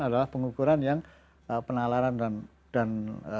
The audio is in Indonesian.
adalah pengukuran yang penalaran dan